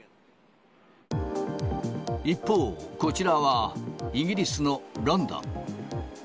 一方、こちらはイギリスのロンドン。